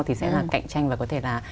thì sẽ là cạnh tranh và có thể là